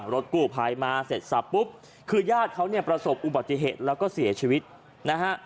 รถกู้ภัยมาเสร็จสับปุ๊บคือญาติเขาเนี่ยประสบอุบัติเหตุแล้วก็เสียชีวิตนะฮะ